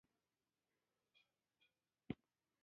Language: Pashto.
په مکتوبونو وضع عادي نه شوه.